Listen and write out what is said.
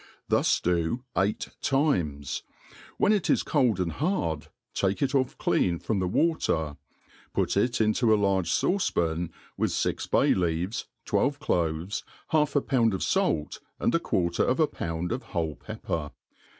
Thus do eight times ; when it is cold iund hard, take it off clean from the water, put it into a large fauce 'pan, with fix bay kaves, twelve cloves, half a pound of fait, and a quarter of a pound of whole pepper.